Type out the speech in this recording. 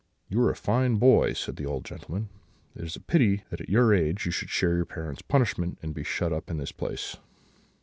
"'You are a fine boy,' said the old gentleman; 'and it is a pity that at your age you should share your parents' punishment, and be shut up in this place.'